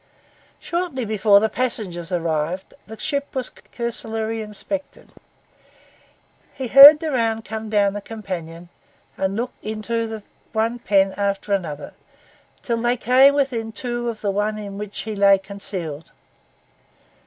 Shortly before the passengers arrived, the ship was cursorily inspected. He heard the round come down the companion and look into one pen after another, until they came within two of the one in which he lay concealed.